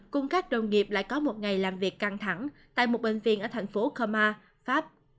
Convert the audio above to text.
cùng các đồng nghiệp lại có một ngày làm việc căng thẳng tại một bệnh viện ở thành phố khama pháp